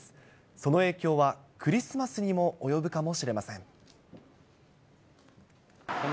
その影響は、クリスマスにも及ぶかもしれません。